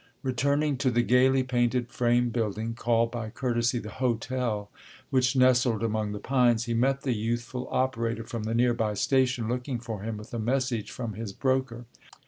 Returning to the gaily painted frame building, called by courtesy the "Hotel," which nestled among the pines, he met the youthful operator from the near by station looking for him with a message from his broker.